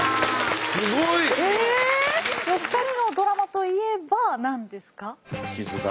すごい！お二人のドラマといえば何ですか？